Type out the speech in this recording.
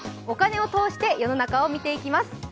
お金を通して世の中を見ていきます。